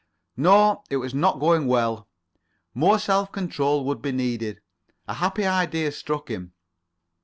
No, it was not going well. More self control would be needed. A happy idea struck him.